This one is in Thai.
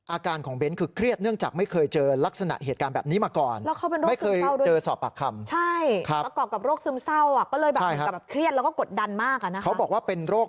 อาการของเบ้นคือเครียดเนื่องจากไม่เคยเจอลักษณะเหตุการณ์แบบนี้มาก่อน